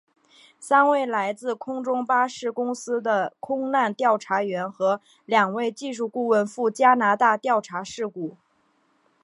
三位来自空中巴士公司的空难调查员和两位技术顾问赴加拿大调查事故。